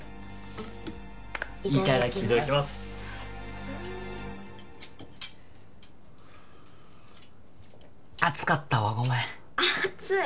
いただきます熱かったわごめん熱い？